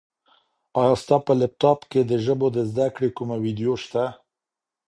ایا ستا په لیپټاپ کي د ژبو د زده کړې کومه ویډیو شته؟